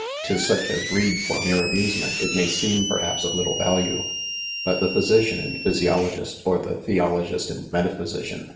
To such, as read for mere amusement, it may seem 5 perhapsj ©f little value ; but the physician and physiolo gist, or the theologlst and metaphysician.